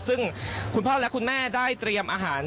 ซึ่งคุณพ่อและคุณแม่ได้เตรียมอาหาร